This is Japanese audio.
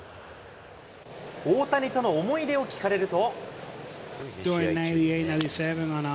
大谷との思い出を聞かれると。